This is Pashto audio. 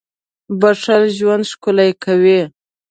• بښل ژوند ښکلی کوي.